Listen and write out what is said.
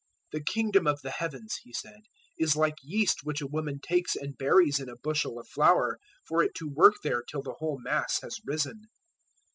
"The Kingdom of the Heavens," He said, "is like yeast which a woman takes and buries in a bushel of flour, for it to work there till the whole mass has risen."